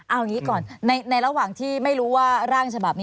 เอาอย่างนี้ก่อนในระหว่างที่ไม่รู้ว่าร่างฉบับนี้